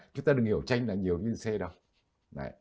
chúng ta đừng hiểu chanh là nhiều vitamin c đâu